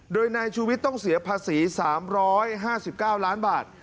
โดยนายชูวิทย์ต้องเสียภาษี๓๕๙ล้านบาท